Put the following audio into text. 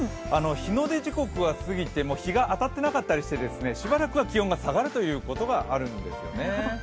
日の出時刻は過ぎても、日が当たってなかったりしてしばらくは気温が下がるということがあるんですよね。